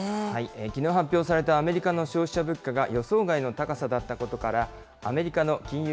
きのう発表されたアメリカの消費者物価が予想外の高さだったことから、アメリカの金融